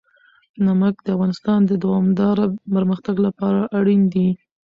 نمک د افغانستان د دوامداره پرمختګ لپاره اړین دي.